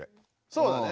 そうだね。